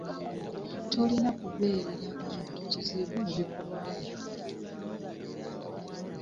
Tolina kuberera bantu kizibu mu bikolwa byo.